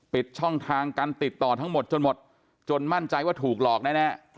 ช่องทางการติดต่อทั้งหมดจนหมดจนมั่นใจว่าถูกหลอกแน่